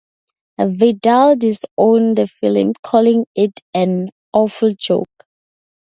Vidal disowned the film, calling it "an awful joke".